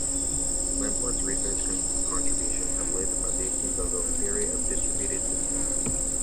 Lamport's research contributions have laid the foundations of the theory of distributed systems.